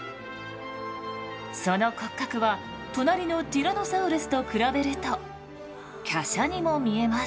その骨格は隣のティラノサウルスと比べると華奢にも見えます。